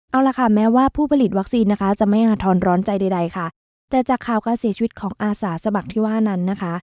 เอาล่ะค่ะแม้ว่าผู้ผลิตวัคซีนนะคะจะไม่อาทรร้อนใจใดใดค่ะแต่จากข่าวการเสียชีวิตของอาสาสมัครที่ว่านั้นนะคะ